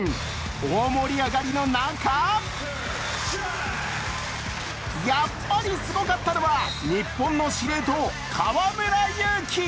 大盛り上がりの中やっぱりすごかったのは日本の司令塔・河村勇輝。